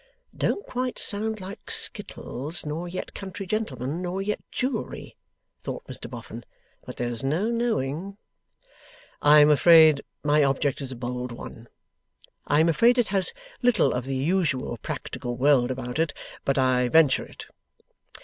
['Don't quite sound like skittles, nor yet country gentleman, nor yet jewellery,' thought Mr Boffin, 'but there's no knowing.') 'I am afraid my object is a bold one, I am afraid it has little of the usual practical world about it, but I venture it.